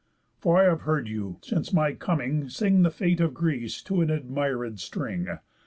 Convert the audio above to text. For I have heard you, since my coming, sing The fate of Greece to an admiréd string.